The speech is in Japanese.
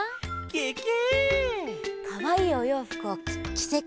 ケケ！